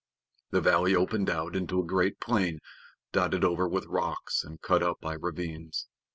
The valley opened out into a great plain dotted over with rocks and cut up by ravines.